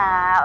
ya kayak gitu